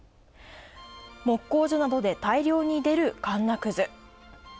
木工所などで大量に出るかんなくず。